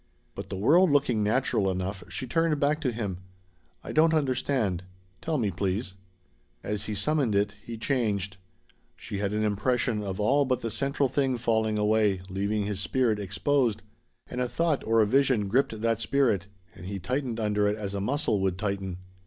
But the world looking natural enough, she turned back to him. "I don't understand. Tell me, please." As he summoned it, he changed. She had an impression of all but the central thing falling away, leaving his spirit exposed. And a thought or a vision gripped that spirit, and he tightened under it as a muscle would tighten.